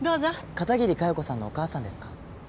片桐佳代子さんのお母さんですか？